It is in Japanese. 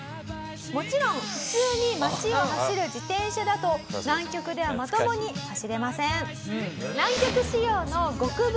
もちろん普通に街を走る自転車だと南極ではまともに走れません。